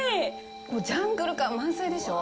ジャングル感、満載でしょう？